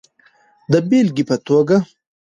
د بېلګې په توګه